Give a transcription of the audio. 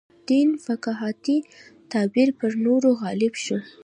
دین فقاهتي تعبیر پر نورو غالب شو.